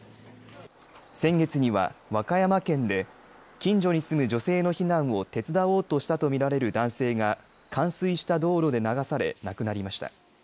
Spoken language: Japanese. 先月には和歌山県で近所に住む女性の避難を手伝おうとしたと見られる男性が冠水した道路で流され亡くなりました。